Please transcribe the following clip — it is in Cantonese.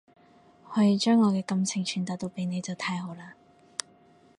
可以將我嘅感情傳達到俾你就太好喇